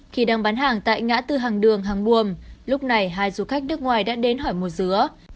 khi đang bán hàng tại ngã tư hàng đường hàng buồm lúc này hai du khách nước ngoài đã đến hỏi một dứa